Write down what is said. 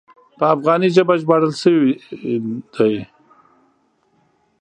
په افغاني ژبه ژباړل شوی دی.